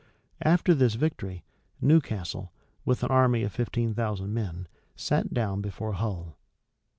After this victory, Newcastle, with an army of fifteen thousand men, sat down before Hull.